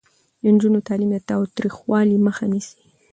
د نجونو تعلیم د تاوتریخوالي مخه نیسي.